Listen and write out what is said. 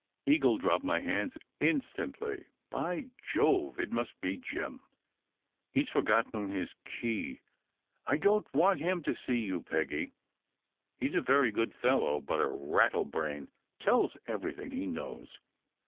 Eagle dropped my hands instantly. "By Jove! It must be Jim. He s forgotten his key! I don t want him to see you, Peggy. He s a very good fellow, but a rattle brain tells everything he knows.